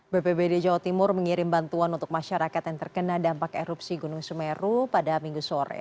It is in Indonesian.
bpbd jawa timur mengirim bantuan untuk masyarakat yang terkena dampak erupsi gunung semeru pada minggu sore